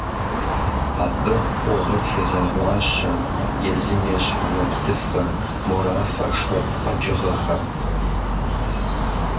Абы къугъыр хегъэгъуащэ езым ещхь гъуэплъыфэ-морафэ шэд къэкӀыгъэхэм.